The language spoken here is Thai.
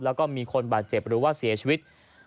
แล้วก็มีคนบาดเจ็บหรือว่าเสียชีวิต